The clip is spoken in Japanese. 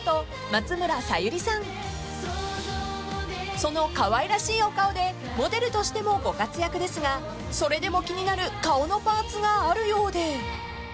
［そのかわいらしいお顔でモデルとしてもご活躍ですがそれでも気になる顔のパーツがあるようで］